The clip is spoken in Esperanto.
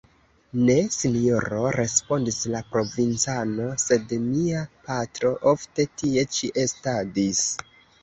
Ne, Sinjoro, respondis la provincano, sed mia patro ofte tie ĉi estadis.